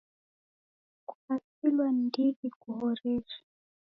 Kukasilwa ni ndighi kuhoreshe!